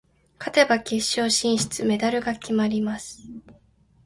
勝てば決勝進出、メダルが決まります。